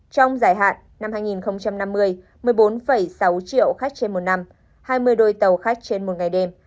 trong dài hạn năm hai nghìn năm mươi một mươi bốn sáu triệu khách trên một năm hai mươi đôi tàu khách trên một ngày đêm